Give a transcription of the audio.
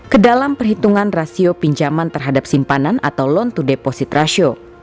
ke dalam perhitungan rasio pinjaman terhadap simpanan atau loan to deposit ratio